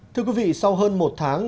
thưa quý vị sau hơn một tháng